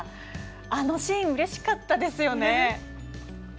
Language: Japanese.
あのシーンうれしかったですよね。